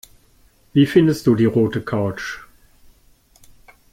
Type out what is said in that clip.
Wie findest du die rote Couch?